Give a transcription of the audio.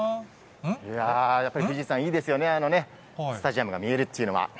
いやー、やっぱり藤井さん、いいですよね、スタジアムが見えるというのは。